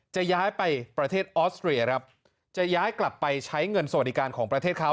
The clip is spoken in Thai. จะย้ายไปประเทศออสเตรียครับจะย้ายกลับไปใช้เงินสวัสดิการของประเทศเขา